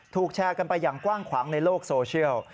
แชร์กันไปอย่างกว้างขวางในโลกโซเชียล